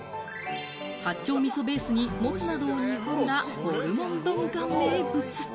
八丁味噌ベースにもつなどを煮込んだホルモン丼が名物。